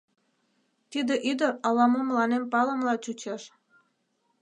— Тиде ӱдыр ала-мо мыланем палымыла чучеш.